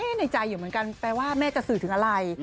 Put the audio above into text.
ในใจอยู่เหมือนกันแปลว่าแม่จะสื่อถึงอะไร